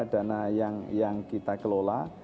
dana yang kita kelola